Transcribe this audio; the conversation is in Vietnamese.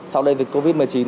sau đại dịch covid một mươi chín